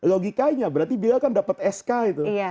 logikanya berarti beliau kan dapat sk itu